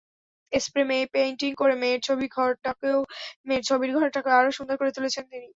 Spray painting করে মেয়ের ছবির ঘরটাকে আরও সুন্দর করে তুলেছেন তিনি।